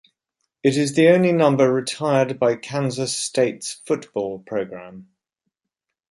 It is the only number retired by Kansas State's football program.